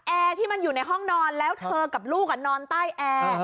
ที่มันอยู่ในห้องนอนแล้วเธอกับลูกนอนใต้แอร์